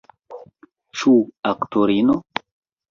Ĉu aktorino?